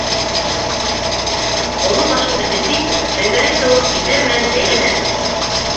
Оло башыңды кесе итеп, Шәңгәрәй кеүек иҫәр менән бәйләнәһең...